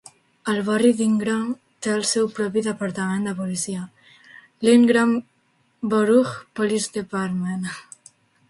El barri d'Ingram té el seu propi departament de policia, l'Ingram Borough Police Department.